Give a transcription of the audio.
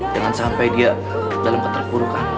jangan sampai dia dalam keterpurukan